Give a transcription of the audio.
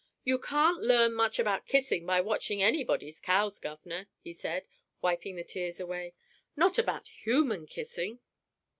"You can't learn much about kissing by watching anybody's cows, Governor," he said, wiping the tears away. "Not about human kissing.